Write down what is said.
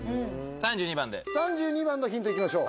３２番で３２番のヒントいきましょう